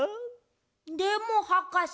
でもはかせ。